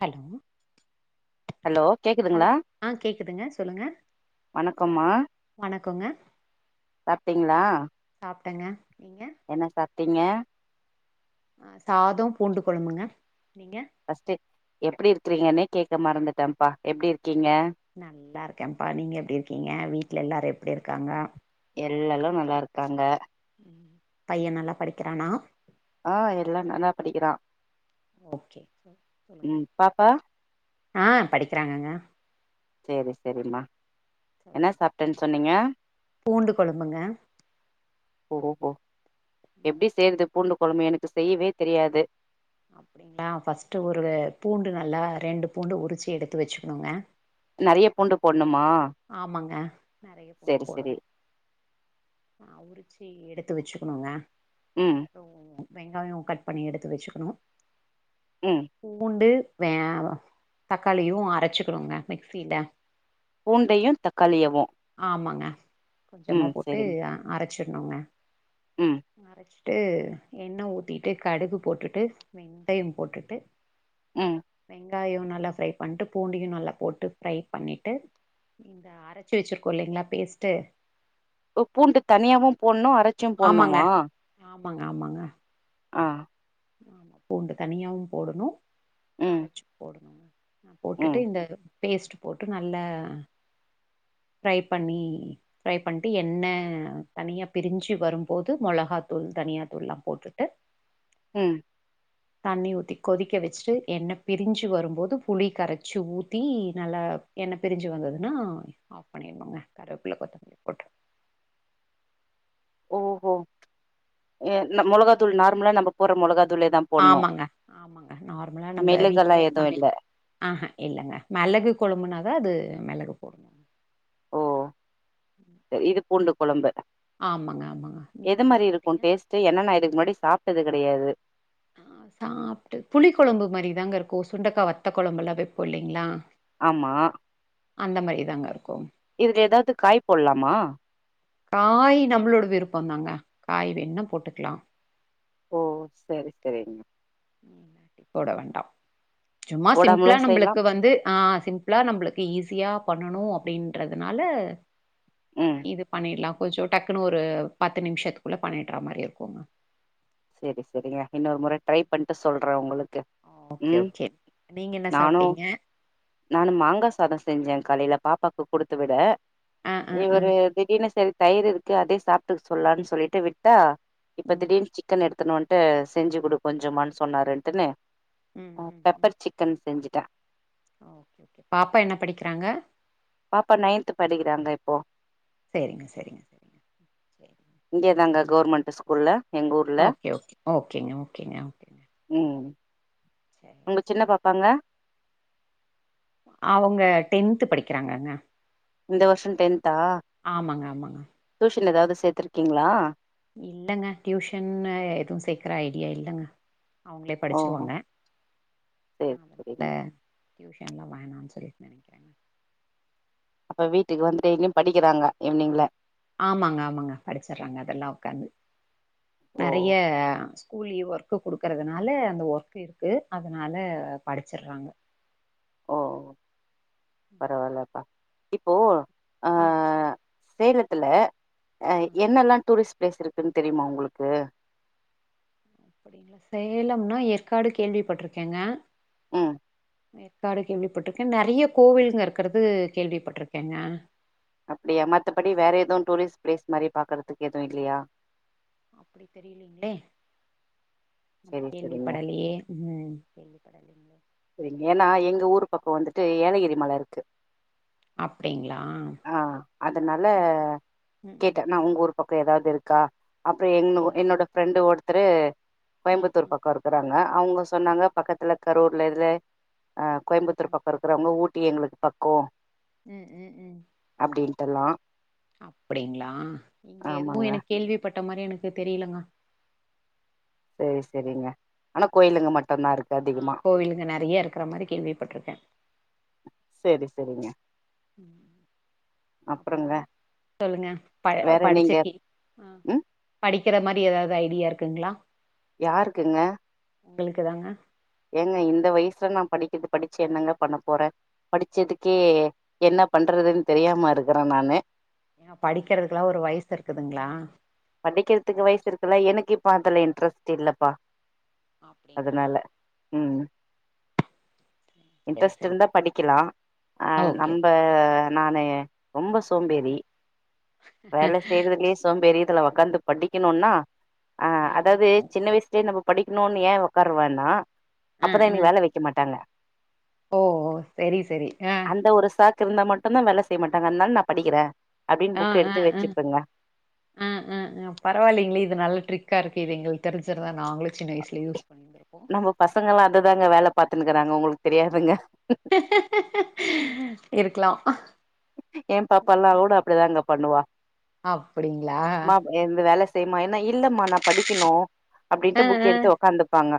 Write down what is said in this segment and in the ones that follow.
hello hello கேக்கு ஹல் ஆ கேக்குதுங்க சொல்லுங்க வணக்கம்மா வணக்கோங்க சாப்ட்டீங்ளா சாப்ட்டங்க நீங்க என்ன சாப்டீங்க ஆ சாதோ பூண்டு கொழம்புங்க நீங்க ஃபஸ்ட்டு எப்டி இருக்குறீங்கனே கேக்க மறந்துட்டன்ப்பா எப்டி இருக்கீங்க நல்லா இருக்கேன்ப்பா நீங்க எப்டி இருக்கீங்க வீட்ல எல்லாரு எப்டி இருக்காங்க எல்லாலு நல்லா இருக்காங்க பையன் நல்லா படிக்கிறானா ஆ எல்லா நல்லா படிக்கிறான் ஓகே சொ சொல்லுங்க ம் பாப்பா ஆ படிக்கிறாங்கங்க சேரி சேரிம்மா என்ன சொல்லுங்க சாப்டன் சொன்னீங்க பூண்டு கொழம்புங்க ஓ ஹோ எப்டி செய்றது பூண்டு கொழம்பு எனக்கு செய்யவே தெரியாது அப்டிங்ளா ஃபஸ்ட்டு ஒரு பூண்டு நல்லா ரெண்டு பூண்டு உரிச்சி எடுத்து வச்சுக்குணுங்க நெறைய பூண்டு போட்ணுமா ஆமாங்க நெறைய பூண்டு போடணு ஆ உரிச்சி எடுத்து வச்சுக்குணுங்க ம் அப்றோ ம் வெங்காயோ கட் பண்ணி எடுத்து வச்சுக்குணு ம் பூண்டு வேவு தக்காளியவு அரைச்சிக்குணுங்க மிக்ஸில பூண்டையு தக்காளியவு ஆமாங்க கொஞ்சமா ம் போட்டு செரிங் அரச்சிர்ணுங்க ம் அரச்சு ட்டு எண்ண ஊத்திட்டு கடுகு போட்டுட்டு வெந்தயம் போட்டுட்டு ம் வெங்காயோ நல்லா ஃப்ரை பண்ட்டு பூண்டையையு நல்லா போட்டு ஃப்ரை பண்ணிட்டு இந்த அரச்சி வெச்சிருக்கோ இல்லைங்ளா பேஸ்ட்டு ஓ பூண்டு தனியாவு போட்னு அரச்சி ஆமாங்க போட்னுமா ஆமாங்க ஆமாங்க ஆ பூண்டு தனியாவு போட்னு ம் அரச்சி போட்னுங்க போட்டுட்டு ம் இந்த பேஸ்ட் போட்டு நல்லா ஃப்ரை பண்ணி ஃப்ரை பண்ட்டு எண்ண தனியா பிரிஞ்சி வரும்போது மொளகாத்தூள் தனியாத்தூள்லா போட்டுட்டு ம் தண்ணி ஊத்தி கொதிக்க வச்சிட்டு எண்ண பிரிஞ்சி வரும்போது புளி கரச்சி ஊத்தி நல்லா என்ன பிரிஞ்சி வந்ததுன்னா ஆஃப் பண்ணிக்கோங்க கருவேப்ல கொத்தமல்லி போட்டு ஒ ஓ எ இந்த மொளகா தூள் நார்மலா நம்ம போட்ற மொளகா தூளே தா போட்ணு ஆமாங்க ஆமாங்க நார்மலா நம்ம மெளகெல்லா வீட்ல எதுவு இல்ல சமையல் ஆ ஹா இல்லங்க மெளகு கொழம்புனாதா அது மெளகு போட்னூ ஓ இது பூண்டு கொழம்பு ஆமாங்க ஆமாங்க என்னென்னா இதுக்கு முன்னாடி சாப்டது கெடையாது சாப்புட்டு புளி கொழம்பு மாதிரிதாங்க இருக்கு சுண்டைக்கா வத்த கொழம்புல்லா வெப்போ இல்லங்ளா ஆமா அந்த மாரி தாங்க இருக்கு இதுல ஏதாது காய் போட்லாமா காய் நம்மளோட விருப்போதாங்க காய் வேண்ணா போட்டுக்கலா ஓ செரி செரிங்க போட வேண்டாம் சும்மா போடாமலு சிம்பிளா செய்யலா நம்மளுக்கு வந்து ஆ சிம்பிளா நம்மளுக்கு ஈஸியா பண்ணணு அப்டின்றதுனால ம் இது பண்ணிட்லா கொஞ்சோ டக்குன்னு ஒரு பத்து நிமிஷத்துக்குள்ள பண்ணிட்ற மாரி இருக்குங்க சேரி சேரிங்க இன்னொரு மொற ட்ரை பண்ணிட்டு சொல்ற உங்களுக்கு ஓ ஓகே ம் ஓகே நீங்க என்ன நானு சாப்டீங்க நானு மாங்கா சாதோ செஞ்சே காலையில பாப்பாக்கு குடுத்து விட ஆ ஆ ஆ இவரு திடீனு செரி தயிர் இருக்கு அதே சாப்புட்டுக்க சொல்லலாம்னு சொல்லிட்டு விட்டா இப்ப ம் திடீர்னு சிக் சிக்கன் எடுத்துனு வன்ட்டு செஞ்சி குடு கொஞ்ச சொன்னாரு இட்டுனு ம் ம் ம் பெப்பர் சிக் சிக்கன் செஞ்சிட்டே ஓகே ஓகே பாப்பா என்ன படிக்கிறாங்க பாப்பா நைன்த் படிக்கிறாங்க இப்போ செரிங்க செரிங்க இங்கயேதாங்க கவர்மெண்ட் ஸ்கூல்ல எங்க ஊர்ல ஓகே ஓகே ஓகேங்க ஓகேங்க ஓகேங்க ம் உங்க சரி சின்ன சரி பாப்பாங்க அவுங்க டென்த்து படிக்கிறாங்கங்க இந்த வருஷோ டென்த்தா ஆமாங்க ஆமாங்க டியூஷன் ஏதாவது சேத்திருக்கீங்ளா இல்லங்க டியூஷன்ன எதுவு சேக்கற ஐடியா இல்லங்க அவுங்களே ஓ படிச்சிடுவாங்க சேரி அதனால சேரிங்க டியூஷன்லா வேணான்னு சொல்லி நெனைக்கிறேங்க அப்ப வீட்டுக்கு வந்து டெயிலியு படிக்கிறாங்க ஈவ்னிங்ல ஆமாங்க ஆமாங்க படிச்சிட்றாங்க அதெல்லா ஒக்காந்து ஓ நெறைய ஸ்கூல் லீவு ஒர்க் ஒர்க் கொடுக்குறதுனால அந்த ஒர்க் இருக்குது அதனால படிச்சடுறாங்க ஓ பரவலப்பா இப்போ ஆ ம் சொல்லுங்க சேலத்துல அ ஆ என்னலா டூரிஸ்ட் பிளேஸ் இருக்குன் தெரியுமா உங்களுக்கு அப்டிங்களா சேலம்னா ஏற்காடு கேள்விப்பட்டிருக்கேங்க ‌அஹ் எற்காடு கேள்விப்பட்டிருக்கே நெறய கோவிலுங்க இருக்கிறது கோள்வி பட்டிருக்கோங்க கேள்விப்பட்டுருக்கேங்க அப்டியா மத்தபடி வேற ஏதுவூ டூரிஸ்ட் பிளேஸ் மாரி பாக்குறதுக்கு எதுவூ இல்லயா அப்டி தெரியலீங்களே அப்டி செரி செரிங்க கேள்விப்படலையே ம் கேள்வி படலிங்களோ சரிங்க ஏன்னா எங்க ஊரு பக்கம் வந்துட்டு ஏலகிரி மல இருக்கு அப்டிங்களா ஆ அதனால ம் ம் கேட்டே ம் நா ம் உங்க ஊர்க் பக்கோ ஏதாது இருக்கா அப்புறம் எங் இல் என்னோட ஃப்ரெண்டு ஒருத்தரு ம் கோயம்புத்தூர் ம் ம் பக்கோ இருக் கறாங்க அவுங்க சொன்னாங்க பக்கத்து கரூர்ல இதுலே அ கோயம்புத்தூர் பக்கோ ம் இருக் கிறவங்க ஊட்டி எங்களுக் பக்கோ ம் ம் ம் அப்டின்டு எல்லா அப்டிங்களா இங்க எதுவூ ஆமாங்க எனக்கு கேள்விபட்ட மாரி எனக்கு தெரியலங்க சேர் சரிங்க ஆனா கோயிலுங்க மட்டுதா இருக்கு ஆ அதிகமா கோவிலுங்க நெறைய இருக்கிற மாரி கேள்விப்பட்டிருக்கே சேரி சரிங்க ம் அப்றங்க சொல்லுங்க பய் வேற நீங்க படிச்சுருக்கிங் ம் படிக்கிற மாரி ஏதாது ஐடியா இருக்குங்ளா யாருக்குங்க உங்களுக்கு தாங்க ஏங்க இந்த வய்சுல நா படிக்கறது படிச்சு என்னங்க பண்ண போறே படிச்சதுக்கே என்ன பண்றதுன் தெரியாம இருக்கறே நானு னா படிக்கறதுக்கு லா ஒரு வய்சு இருக்குதுங்ளா படிக்கறதுக்கு வயிசு இருக்குல்ல எனக்கு இப்ப அதுல இன்ட்ரெஸ்ட் இல்லப்பா அப்டிங்களா அதுனால ம் ஹூம் சரி இன்ரெஸ்ட் சரி இருந்தா படிக்கலா அ ஓகே நம்ப நானு ரொம்ப ம் சோம்பேறி ம் வேல செய்யறதுலயே சோம்பேறி இதுல ஒக்காந்து படிக்கணுன்னா ஆ அதாது சின்ன வயிசுலயே நம்ம படிக்கணுன்னு ஏன் ஒக்காரு வேன்னா ஆ அப்பதா ஆ எனக்கு வேலை வைக் க மாட்டாங்க ஓ செரி செரி ஆங் இதெ ஒரு சாக் திருந்தா மட்டுதா வேல செய்ய மாட்டாங்க அந்னால நா படிக்கிறே அப்டின்னு ஆ புக் ஹா எடுத்து ஹாங் வச்சுப்பேங்க அ ஆ ஹாங் பரவா இல்லிங்களே இது நல்ல ட்ரிக்கா இருக்கே இது எங்களுக்கு தெரிஞ்சிருந்தா நாங்களூ சின்ன வயிசுல யூஸ் அணிந்திருப்போ நம்ம பசங்கல்லா அதுதாங்க வேல பாத்துன்னுஸகிறாங்க உங்களுக் தெரியாதுங்க இருக்லா என் பாப்ப எல்லார் கூட அப்டிதா தாங்க பண்ணுவா அப்டிங்கிளா ஏந்து வேல செய்யுமா ஏன்னா இல்லமா நா படிக்கணு அப்டின்ட் ஆ புக் ஆ எடுத்து ஒக்காந்துப்பாங்க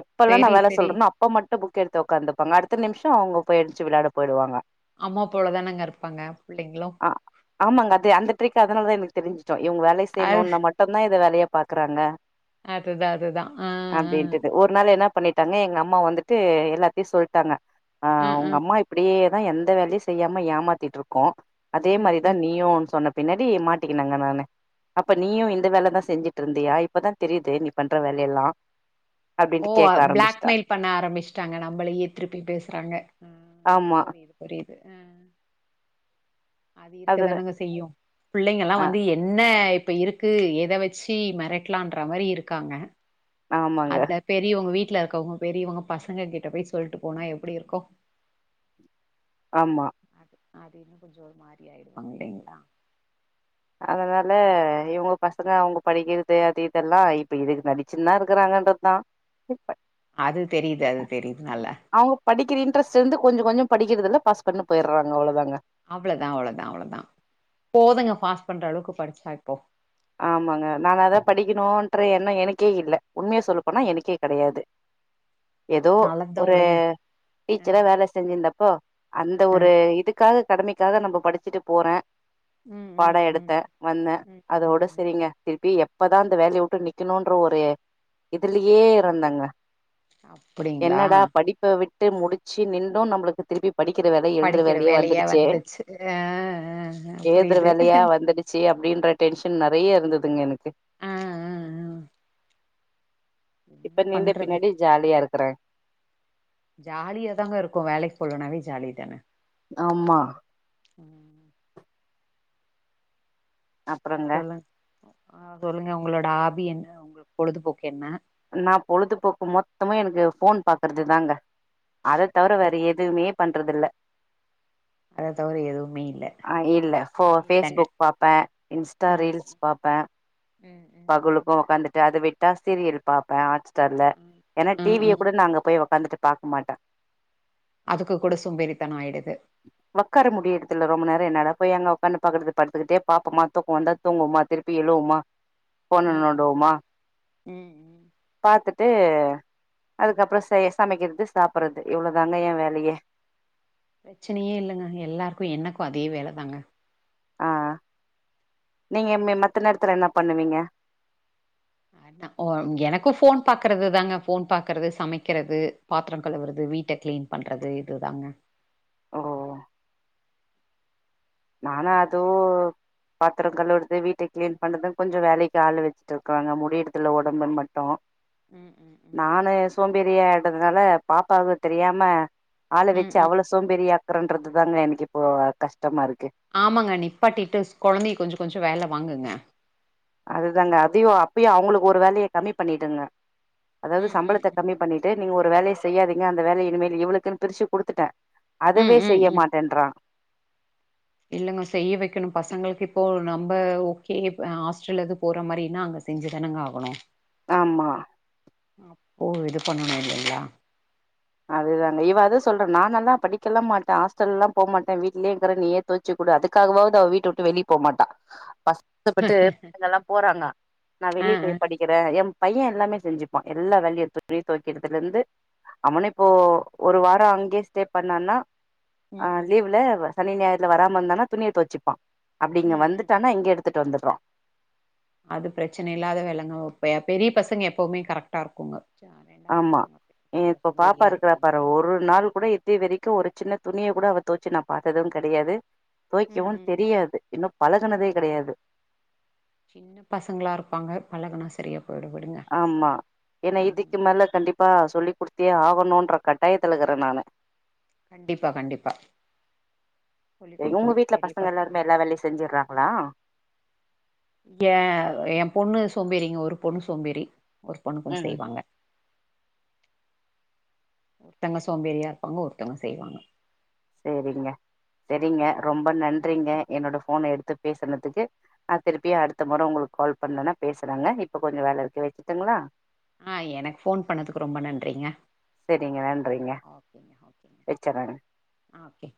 எப்பெல்லா நா செரி வேல செரி சொல்றேன்னோ அப் அப்ப மட்டு புக் எடுத்து ஒக்காந்துப்பாங்க அடுத்த நிம்ஷோ அவங்க போயி எந்துச்சு வெளாட போய்டுவாங்க அம்மா போல தானங்க இருப்பாங்க புள்ளைங்களு அ ஆமாங்க அது அந்த டிரிக் அதுனால தா எனக்கு தெரிஞ்சுடோம் இவுங்க வேல அது செய்ணுன்னா மட் டுந்தா இத வேலயா பாக்குறாங்க அதுதா அதுதா அ அ முன்னால என்ன பண்ணிட்டாங்க எங்க அம்மா வந்துட்டு எல்லாத்தயு சொல்ட்டாங்க அ ஆ ஆ உங்க அம்மா இப் அப்டியே தா எந்த வேலையு செய்யாம ஏமாத்திட்டிருக்கோ அதே ம் மாரி தா ம் நீயு சொன்ன பின்னடி மாட்டிக்கினேங்க நானு அப்ப நீயு இந்த வேலதா செஞ்சிட்டு ருந்தியா இப்பதா தெரியுது நீ பண்ற வேல யெல்லா ஒ பிளாக் மெயில் பண்ண ஆரம்பிச்சுட்டாங்க நம்மளயே திருப்பி பேசுறாங்க அ ஆமா புரியுது புரியுது அது அதுல இருக்கதானங்க செய்யு புள்ளைங்கலா ஆ வந்து என்ன இப்ப இருக்கு எத வச்சி மெரட்டலான்ற மாரி இருக்காங்க ஆமாங்க அதுல பெரியவங்க வீட்ல இருக்கவங்க பெரியவங்க பசங்க கிட்ட போய் சொல்ட்டு போனா எப்டி இருக்கு ஆமா அது அது கொஞ்சோ ஒரு மாரி ஆயிருப்பாங்க இல்லிங்களா அதனால இவங்க பசங்க அவங்க படிக்கிறது அது இதெல்லா இப்ப இதுக்கு நடி சின்னா இருக்கறாங்கன்ற தா அது தெரியுது அது தெரியுது நல்லா அவங்க படிக்கிற இன்ட்ரெஸ்ட் இருந்து கொஞ்சொ கொஞ்சொ படிக்கிறதில பாஸ் பண்ணி போயிட்றாங்க அவ்ளதாங்க அவ்ளதா அவ்ளதா அவ்ளதா போதுங்க பாஸ் பண்ற அளவுக்கு படிச்சா இப்போ ஆமாங்க நாங்க அதா படிக்கணுன்ற எண்ணொ எனக்கே இல்ல உண்மைய சொல்லப்போனா எனக்கே கெடையாது [inaudible] ஏதோ அது நல்லதுதா ஒரு வுடுங்க அ டீச்சரா வேல செஞ்சிர்ந்தப்போ அந்த அ ஒரு இதுக்கு க்காக கடமைக்காக நம்ம படிச்சுட்டு போறே ம் பட ம் ம் எடுத்தெ வந்தெ ம் ம் அதோட சரிங்க திருப்பி எப்பதா அந்த வேலயை விட்டு நிக்கணுன்ற ஒரு ம் இதுலயே இருந்தங்க அ அப்டிங்களா என்னடா படிப்ப விட் விட்டு முடிச்சு நிண்டோ நம்மளுக்கு திருப்பி படிக்கிற வேலை எழுதுற படிக்கிற வேலையெ வேலையா வந்துருச்சே வந்துச்சு அ அ அ எழுதுற புரியுது வேலையா வந்துடுச்சு ச்சி அப்டின்ற டென்ஷன் நெறைய இருந்ததுங்க எனக்கு ஆ ஆ ஆ என்ன இப்ப நிண்ட பண்றது பின்னாடி ஜாலியா இருக்றே ஜாலியாதாங்க இருக்கு வேலைக்கு போலனாவே ஜாலி தான ஆமா ம் அப்புறங்க சொல்லுங்க சொல்லுங்க உங்களோட ஆபி என்ன உங்க பொழுதுபோக்கு என்ன நா பொழுதுபோக்கு மொத்தமு எனக்கு ஃபோன் பாக்குறது தாங்க அத தவிர வேற எதுமே பண்றதில்ல அத தவிர எதுவுமே இல்ல அ இல்ல போ பிரச்சனையே இல்லங்க ஃபேஸ்புக் பாப்பே இன்ஸ்டா ஆ ரீல்ஸ் பாப்பே ம் ம் பகழுக்கு ஒக்காந்துட்டு அது வெட் சீரியல் பாப்பே ஹாட்ஸ்டார்ல ம் ஏன்னா ம் டிவிய ம் கூட நா அங்க போய் ஒக்காந்துட்டு பாக்க மாட்டே அதுக்கு கூட சோம்பேறித்தன ஆயிடுது ஒக்கார முடியர்துல ரொம்ப நேர என்னால பொய் அங்க ஒக்கான்னு பாக்றது படுத்துக்கிட்டே பாப்போமா தூக்க வந்தா தூங்குவோமா திருப்பி எழுவோமா ஃபோன ம் ம்ம் நோண்டுவோமா ம் ம் பாத்துட்டு ம் அதுக்கப்ற சமைக்கறது சாப்பிட்றது இவ்ளோதாங்க ஏ வேலையே பிரச்சனையே இல்லங்க எல்லாருக்கு எனக்கு அதே வேலதாங்க ஆ ஆ நீங்க மத்த நேரத்தில என்ன பண்ணுவீங்க ஓ எனக்கு போன் பாக்குறது தாங்க போன் பாக்குறது சமைக்கிறது பாத்ர கழுவுறது வீட்ட க்ளீன் பண்றது இதுதாங்க ஓ நானா இதுதா அது வேலை பாத்ர கழுவுறது வீட்ட க்ளீன் பண்ணறது கொஞ்சொ வேலைக்கு ஆள் வச்சுட்டு இருக்காங்க முடியர்துல்ல உடம்பு மட்டு ம் ம் ம் நானு சோம்பேரியியாடுதுனால பாப்பாவுக்கு தெரியாம பால ம் வச்சு ம் அவள சோம்பேறியா ஆக்குறன்றது தாங்க எனக்கு இப்போ கஷ்டமா இருக்கு ஆமாங்க நிப்பாட்டிட்டு குழந்தைய கொஞ்சொ கொஞ்சொ வேலைய வாங்குங்க அதுதாங்க அதயு அப்பயு அவங்களுக்கு ஒரு வேலய கம்மி பண்ணிடங்க அதாவ்து ம் ம் சம்பளத்த ம் கம்மி பண்ணி ட்டு நீங்க ஒரு வேலய செய்யாதிங்க அந்த வேலைய இன்மேல் இவ்வளுக்குன்னு பிரிச்சு குடுத்துட்டே ம் அதுவே ம் செய்ய ம் மாட்டேன்றா இல்லங்க செய்ய வைக்கணு பசங்களுக்கு இப்போ நம்ம ஓகே ஹாஸ்டல் எது போற மாரினா அங்க செஞ்சு தானங்க ஆகணு ஆமா அப்போ இது பண்ணணும் இல்லங்லா அதுதா இவ அது சொல்றா நான் எல்லாம் படிக்கலா மாட்டேன் ஹாஸ்டல்லாம் போமாட்டேன் வீ்ட்லேயக்கிற நீயே தோச் சு குடு அதுக்காவது அவ வீட்ட விட்டு வெளிய போ மாட்டா கஷ் டப்பட்டு எல்லாம் போறாங்க நான் ஆ வெளியே ஆ போய் படிக் றேன் என் பையன் எல்லாமே செஞ்சுப்பான் எல்லா வேலயு துணி தொவைக்கிறதுல இருந்து அவனே இப்போ ஒரு வாரம் அங்கேயே ஸ்டே பண்ணான்னா ம் ம் லீவ்ல சனி ஞாயிர்ல வராம இருந்தானா துணிய தொவச்சிப்பான் அப்டி இங்க ம் ம் வந்துட்டானா ம் இங்கே எடுத்துட்டு வந்துறான் அது பிரச்சன இல்லாத வேலங்க பெரிய பசங்க எப்பவுமே கரெக்ட்டா இருக்குங்க ச- ரெண்டாவது ஆமா பசங்க கொஞ்சோ இப்போ பாப்பா சோம்பேறியா இருக்றா இருப்பாங்க பாரு ஒரு நாள் கூட இது வரைக்கும் ஒரு சின்ன துணிய கூட அவ துவச்சு நான் பாத்ததும் கெடையாது ம் தொவைக்கவும் ம் ம் தெரியாது இன்னும் பழகுனதே ம் ம் கெடயாது சின்ன பசங்களா இருப்பாங்க பழகுனா சரியா போய்டும் விடுங்க ஆமா ஏனா ம் இதுக்கு மேல கண்டிப்பா சொல்லி்க்குடுத்தே ஆகணும்ன்ற கட்டாயத்துல இருக்றேன் நானு கண்டிப்பா கண்டிப்பா சொல்லி் உங்க குடுக்கணு வீட்ல பெரிய பசங்க எல்லாருமே ஆயி எல்லா வேலையும் செஞ்சுறாங்களா இங்க என் பொண்ணு சோம்பேறிங்க ஒரு பொண்ணு சோம்பேறி ஒரு பொண்ணு கொஞ்சம் ம் செய்வாங்க ஒருத்தவங்க சோம்பேறியா இருப்பாங்க ஒருத்தவங்க செய்வாங்க சேரிங்க செரிங்க ரொம்ப நன்றிங்க என்னோட போன எடுத்து பேசனதுக்கு அது திருப்பி அடுத்த முற உங்களுக்கு கால் பண்ணனா பேசுறங்க இப்ப கொஞ்சம் வேல இருக்க வச்சுட்டுங்ளா ஆ எனக்கு போன் பண்ணதுக்கு ரொம்ப நன்றிங்க செரிங்க நன்றிங்க ஓகேங்க ஓகேங்க வச்சர்றேங்க ஆ ஓகே